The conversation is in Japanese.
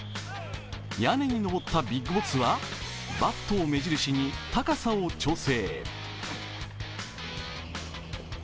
屋根に上ったビッグボスはバットを目印に高さを調整。